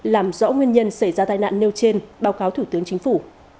làm rõ nguyên nhân xảy ra tai nạn nêu trên báo cáo thủ tướng chính phủ